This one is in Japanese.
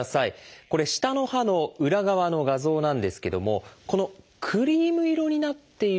これ下の歯の裏側の画像なんですけどもこのクリーム色になっている部分